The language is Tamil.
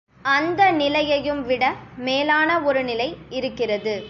அந்த நிலையையும் விட மேலான ஒரு நிலை இருக்கிறது.